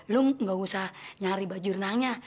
lu gak usah nyari baju berenangnya